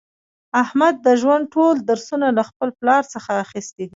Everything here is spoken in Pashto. احمد د ژوند ټول درسونه له خپل پلار څخه اخیستي دي.